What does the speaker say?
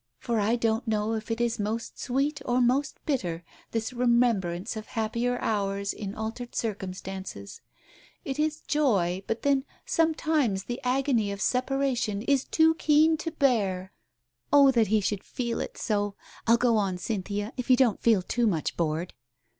For I don't know if it is most sweet or most bitter, this remembrance of happier hours in altered circumstances, It is joy, but then, sometimes the agony Digitized by Google 90 TALES OF THE UNEASY of separation is too keen to bear. ...' Oh, that he should feel it so ! I'll go on, Cynthia, if you don't feel too much bored.